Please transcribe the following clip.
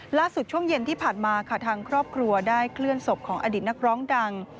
ช่วงเย็นที่ผ่านมาค่ะทางครอบครัวได้เคลื่อนศพของอดีตนักร้องดัง